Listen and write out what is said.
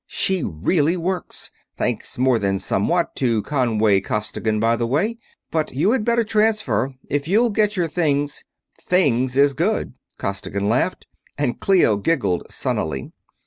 She really works thanks more than somewhat to Conway Costigan, by the way. But you had better transfer. If you'll get your things...." "'Things' is good!" Costigan laughed, and Clio giggled sunnily.